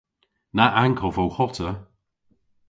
Na ankov ow hota!